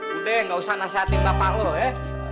udah enggak usah nasihatin bapak lu ya